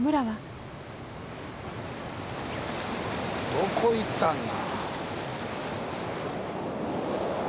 どこ行ったんな。